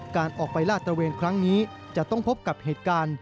การออกไปลาดตระเวนครั้งนี้จะต้องพบกับเหตุการณ์